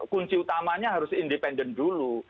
kunci utamanya harus independen dulu